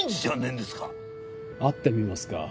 会ってみますか？